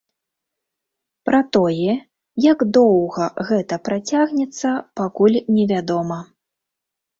Пра тое, як доўга гэта працягнецца, пакуль невядома.